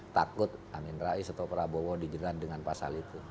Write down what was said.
takut amin rais atau prabowo dijerat dengan pasal itu